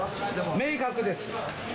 明確です！